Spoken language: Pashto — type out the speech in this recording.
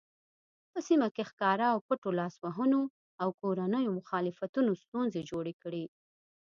په سیمه کې ښکاره او پټو لاسوهنو او کورنیو مخالفتونو ستونزې جوړې کړې.